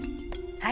はい